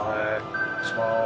失礼します。